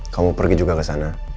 kamu pergi juga ke sana